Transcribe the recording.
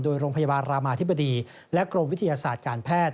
โดยโรงพยาบาลรามาธิบดีและกรมวิทยาศาสตร์การแพทย์